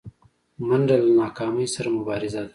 منډه له ناکامۍ سره مبارزه ده